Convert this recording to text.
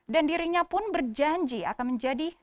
dan dirinya pun berjanji akan menjadi